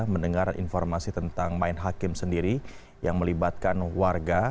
mendengar informasi tentang main hakim sendiri yang melibatkan warga